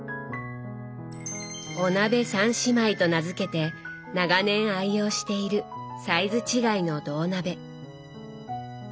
「お鍋三姉妹」と名付けて長年愛用しているサイズ違いの銅鍋。